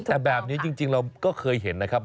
แต่แบบนี้จริงเราก็เคยเห็นนะครับ